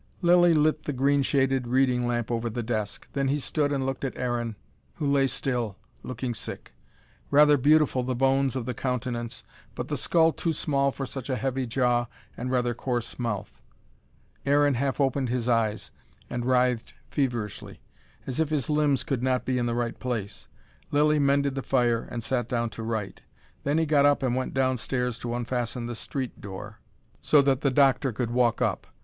Lilly lit the green shaded reading lamp over the desk. Then he stood and looked at Aaron, who lay still, looking sick. Rather beautiful the bones of the countenance: but the skull too small for such a heavy jaw and rather coarse mouth. Aaron half opened his eyes, and writhed feverishly, as if his limbs could not be in the right place. Lilly mended the fire, and sat down to write. Then he got up and went downstairs to unfasten the street door, so that the doctor could walk up.